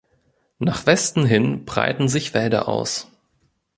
Nach Westen hin breiten sich Wälder aus.